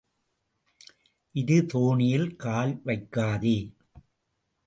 இரு தோணியில் கால் வைக்காதே.